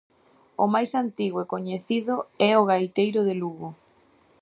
O máis antigo e coñecido é o "Gaiteiro de Lugo".